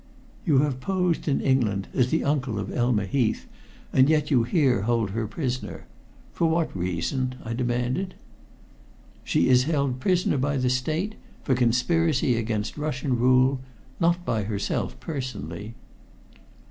"You have posed in England as the uncle of Elma Heath, and yet you here hold her prisoner. For what reason?" I demanded. "She is held prisoner by the State for conspiracy against Russian rule not by herself personally."